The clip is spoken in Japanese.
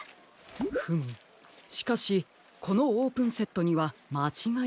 フムしかしこのオープンセットにはまちがいがありますね。